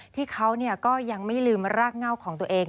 ที่เขาก็ยังไม่ลืมรากเง่าของตัวเอง